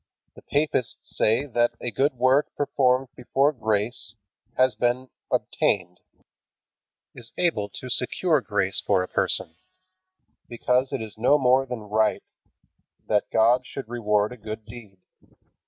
The papists say that a good work performed before grace has been obtained, is able to secure grace for a person, because it is no more than right that God should reward a good deed.